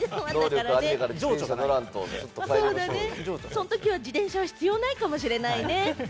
そのときは自転車は必要ないかもしれないね。